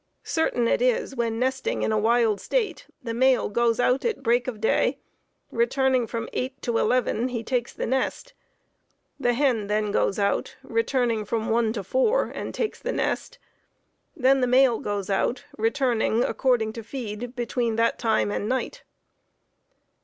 Certain it is, when nesting in a wild state, the male goes out at break of day; returning from eight to eleven he takes the nest; the hen then goes out, returning from one to four, and takes the nest; then the male goes out, returning, according to feed, between that time and night.